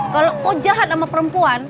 kalau oh jahat sama perempuan